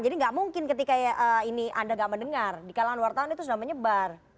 jadi gak mungkin ketika ini anda gak mendengar di kalangan wartawan itu sudah menyebar